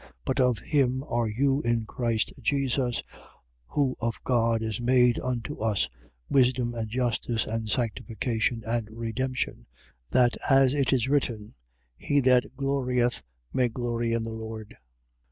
1:30. But of him are you in Christ Jesus, who of God is made unto us wisdom and justice and sanctification and redemption: 1:31. That, as it is written: He that glorieth may glory in the Lord.